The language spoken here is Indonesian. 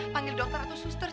panggil dokter atau suster